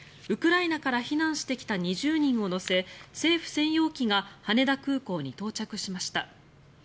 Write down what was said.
ウクライナから避難してきた２０人を乗せ政府専用機が羽田空港に到着しました。